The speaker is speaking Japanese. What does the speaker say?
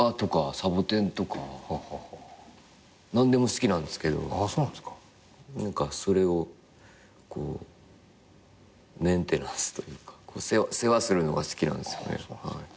サボテンとか何でも好きなんですけどそれをこうメンテナンスというか世話するのが好きなんですよね。